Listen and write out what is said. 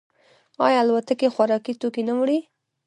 آیا الوتکې خوراکي توکي نه وړي؟